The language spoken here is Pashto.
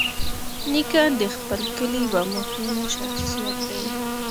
نیکه د خپل کلي یوه مهمه شخصیت دی.